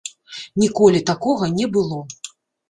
Ніколі такога не было.